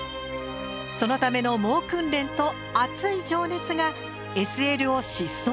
そのための猛訓練と熱い情熱がＳＬを疾走させたのです。